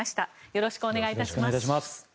よろしくお願いします。